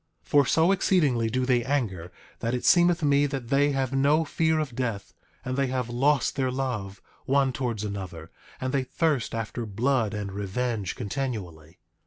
9:5 For so exceedingly do they anger that it seemeth me that they have no fear of death; and they have lost their love, one towards another; and they thirst after blood and revenge continually.